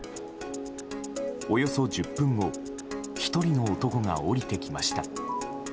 およそ１０分後１人の男が降りてきました。